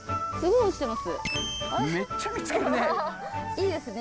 いいですね